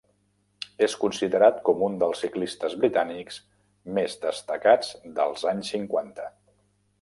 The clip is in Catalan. És considerat com un dels ciclistes britànics més destacats dels anys cinquanta.